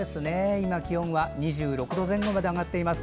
今、気温は２６度前後まで上がっています。